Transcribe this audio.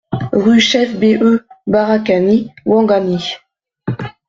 RUE CHEF BE - BARAKANI, Ouangani